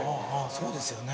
そうですよね。